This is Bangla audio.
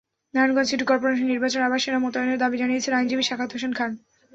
নারায়ণগঞ্জ সিটি করপোরেশন নির্বাচনে আবার সেনা মোতায়েনের দাবি জানিয়েছেন আইনজীবী সাখাওয়াত হোসেন খান।